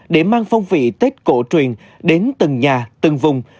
để mang phong vị tết cổ truyền đến từng nhà từng vùng